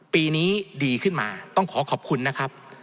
ปีนี้ดีขึ้นมาต้องขอขอบคุณนะครับ